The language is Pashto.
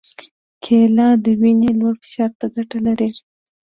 کېله د وینې لوړ فشار ته ګټه لري.